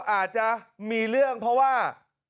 อาจจะมีเรื่องเพราะว่า